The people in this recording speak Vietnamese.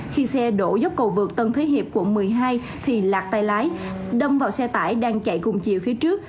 khi xe đổ dốc cầu vượt tân thế hiệp quận một mươi hai thì lạc tay lái đâm vào xe tải đang chạy cùng chiều phía trước